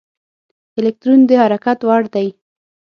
الکترون د حرکت وړ دی.